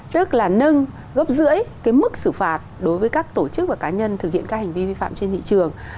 tức là nâng gấp rưỡi cái mức xử phạt đối với các tổ chức và cá nhân thực hiện các hành vi vi phạm trên thị trường